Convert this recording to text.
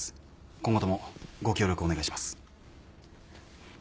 今後ともご協力お願いします。